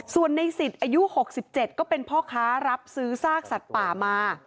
ส่วนในสิบอายุหกสิบเจ็ดก็เป็นพ่อค้ารับซื้อซากสัตว์ป่ามา